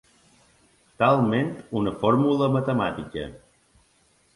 Talment una fórmula matemàtica.